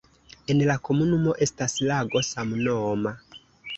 En la komunumo estas lago samnoma.